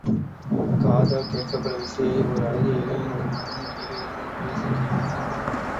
காதால் கேட்கப்படும் இசையை, ஓர் அழகிய இளைஞன் ஒரு மரத்தின் கீழே இருந்து கொண்டு இசைக்கிறான்.